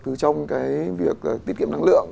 từ trong cái việc tiết kiệm năng lượng